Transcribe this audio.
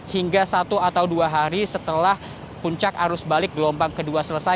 hingga satu atau dua hari setelah puncak arus balik gelombang kedua selesai